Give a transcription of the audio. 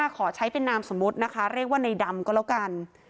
ขอใช้เป็นนามสมมุตินะคะเรียกว่าในดำก็แล้วกัน